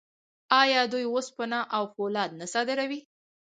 آیا دوی وسپنه او فولاد نه صادروي؟